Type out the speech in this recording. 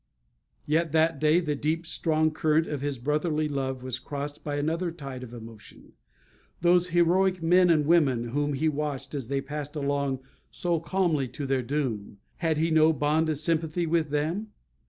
Yet that day the deep, strong current of his brotherly love was crossed by another tide of emotion. Those heroic men and women, whom he watched as they passed along so calmly to their doom, had he no bond of sympathy with them?